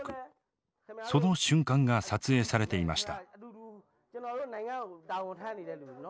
その瞬間が撮影されていました。